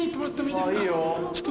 いいよ。